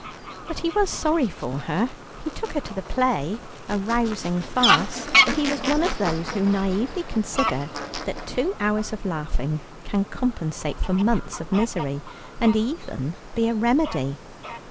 But he was sorry for her; he took her to the play, a rousing farce, for he was one of those who naively consider that two hours of laughing can compensate for months of misery, and even be a remedy.